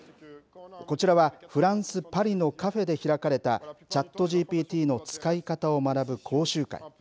こちらはフランス、パリのカフェで開かれたＣｈａｔＧＰＴの使い方を学ぶ講習会。